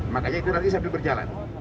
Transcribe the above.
makanya itu nanti sambil berjalan